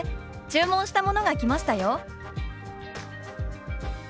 注文したものが来ましたよ」。